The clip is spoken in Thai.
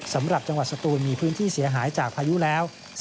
สำหรับจังหวัดสตูนมีพื้นที่เสียหายจากพายุแล้ว